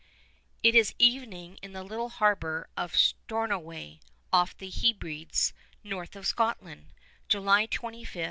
It is evening in the little harbor of Stornoway, off the Hebrides, north of Scotland, July 25, 1811.